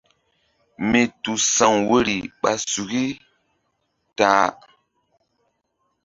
Mítúsa̧w woyri ɓa suki ta-a.